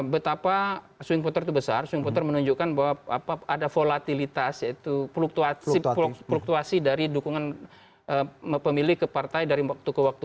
betapa swing voter itu besar swing voter menunjukkan bahwa ada volatilitas yaitu fluktuasi dari dukungan pemilih ke partai dari waktu ke waktu